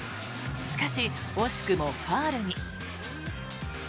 しかし、惜しくもファウルに。